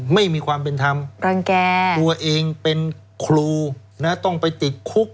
ไม่มีความเป็นธรรมรังแก่ตัวเองเป็นครูนะต้องไปติดคุก